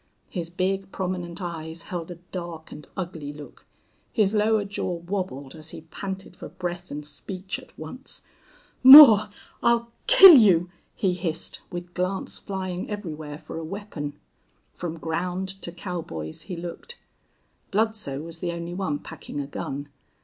His big, prominent eyes held a dark and ugly look. His lower jaw wabbled as he panted for breath and speech at once. "Moore I'll kill you!" he hissed, with glance flying everywhere for a weapon. From ground to cowboys he looked. Bludsoe was the only one packing a gun.